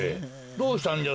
どうしたんじゃ？